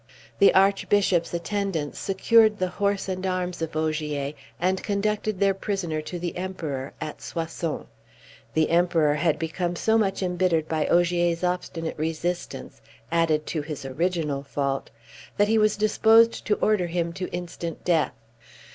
The Archbishop's attendants secured the horse and arms of Ogier, and conducted their prisoner to the Emperor at Soissons. The Emperor had become so much embittered by Ogier's obstinate resistance, added to his original fault, that he was disposed to order him to instant death.